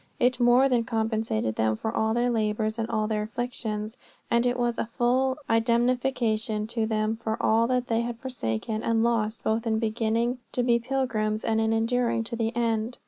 It more than compensated them for all their labours and all their afflictions. And it was a full indemnification to them for all that they had forsaken and lost both in beginning to be pilgrims and in enduring to the end.